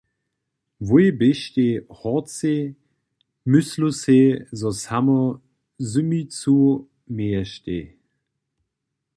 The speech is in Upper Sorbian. Wój běštej horcej, myslu sej, zo samo zymicu měještej.